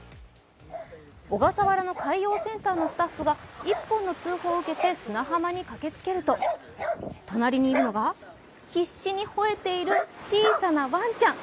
小笠原海洋センターのスタッフが通報を受けて駆けつけると隣にいるのが、必死にほえている小さなワンちゃん。